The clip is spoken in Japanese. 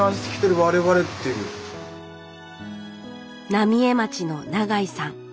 浪江町の永井さん。